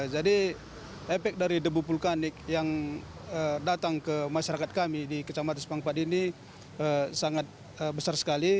jadi epek dari debu vulkanis yang datang ke masyarakat kami di kecamatan simpang empat ini sangat besar sekali